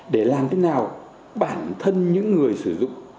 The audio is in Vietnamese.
để làm thế nào bản thân những người sử dụng